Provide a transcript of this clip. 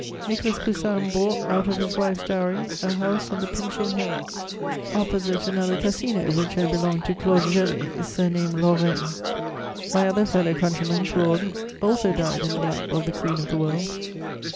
Nicolas Poussin bought, out of his wife's dowry, a house on the Pincian Hill, opposite another casino which had belonged to Claude Gelée, surnamed Lorraine. My other fellow countryman, Claude, also died in the lap of the Queen of the World.